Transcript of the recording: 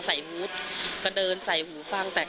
ใส่หูดก็เดินใส่หูฟัง